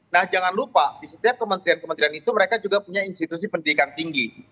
nah jangan lupa di setiap kementerian kementerian itu mereka juga punya institusi pendidikan tinggi